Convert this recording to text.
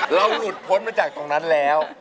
หลุดพ้นมาจากตรงนั้นแล้ว